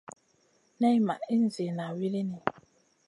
Nay ma ihn ziyna wulini.